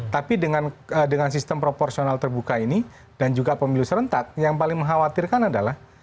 tapi dengan sistem proporsional terbuka ini dan juga pemilu serentak yang paling mengkhawatirkan adalah